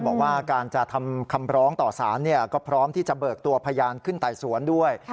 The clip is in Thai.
บอกว่าการจะทำคำร้องต่อสารก็พร้อมที่จะเบิกตัวพยานขึ้นไต่สวนด้วย